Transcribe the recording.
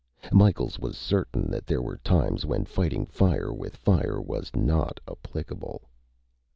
Micheals was certain that there were times when fighting fire with fire was not applicable.